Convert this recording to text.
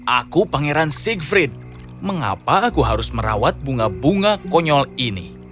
aku pangeran sig frit mengapa aku harus merawat bunga bunga konyol ini